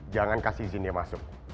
jangan beri izin dia masuk